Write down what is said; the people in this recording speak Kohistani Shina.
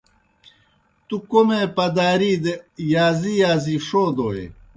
تُوْ کوْمے پَدَاری دہ یازی یازی ݜودوئے۔